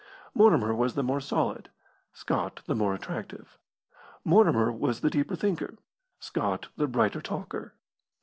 Mortimer was the more solid, Scott the more attractive. Mortimer was the deeper thinker, Scott the brighter talker.